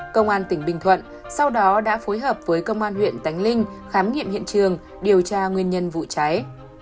công an tỉnh bình thuận sau đó đã phối hợp với công an huyện tánh linh khám nghiệm hiện trường điều tra nguyên nhân vụ cháy